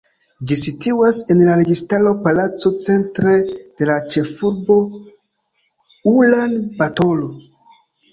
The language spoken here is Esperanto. Ĝi situas en la Registaro Palaco centre de la ĉefurbo Ulan-Batoro.